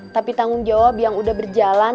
tapi tanggung jawab yang udah berjalan